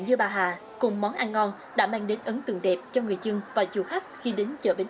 dưa bà hà cùng món ăn ngon đã mang đến ấn tượng đẹp cho người dân và du khách khi đến chợ bến